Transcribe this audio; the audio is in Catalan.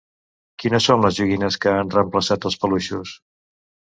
Quines són les ‘joguines’ que han reemplaçat els peluixos?